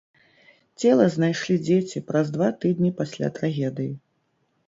Цела знайшлі дзеці праз два тыдні пасля трагедыі.